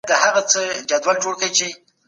واقعي او نظري پوښتنې یو له بل نه جلا کیږي.